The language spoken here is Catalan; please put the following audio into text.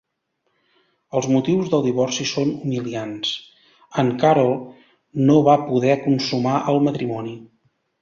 Els motius del divorci són humiliants: en Karol no va poder consumar el matrimoni.